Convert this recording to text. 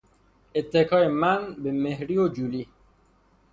اتکای من به مهری و جولی